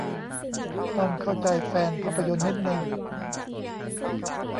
ต้องเข้าใจแฟนภาพยนตร์นิดนึง